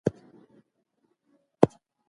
موږ باید د خپلو مسلکي کسانو قدر وکړو.